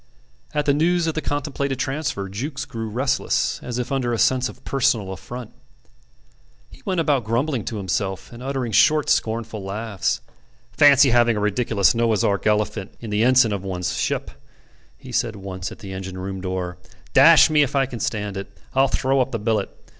At the news of the contemplated transfer Jukes grew restless, as if under a sense of personal affront. He went about grumbling to himself, and uttering short scornful laughs. "Fancy having a ridiculous Noah's Ark elephant in the ensign of one's ship," he said once at the engine room door. "Dash me if I can stand it: I'll throw up the billet.